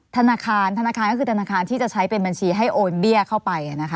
ธนาคารธนาคารก็คือธนาคารที่จะใช้เป็นบัญชีให้โอนเบี้ยเข้าไป